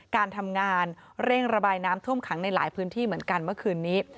การทำงานเร่งระบายน้ำท่วมขังในหลายพื้นที่เหมือนกันเมื่อคืนนี้